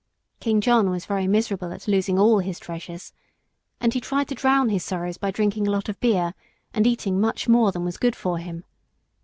King John was very miserable at losing all his treasures, and he tried to drown his sorrows by drinking a lot of beer and eating much more than was good for him.